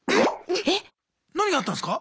えっ⁉何があったんすか？